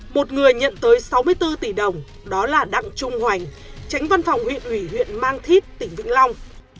một người nhận tới sáu mươi bốn tỷ đồng đó là đặng trung hoành tránh văn phòng huyện ủy huyện mang thít tỉnh vĩnh long